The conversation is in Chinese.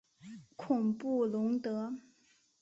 孔布龙德。